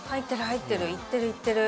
いってるいってる。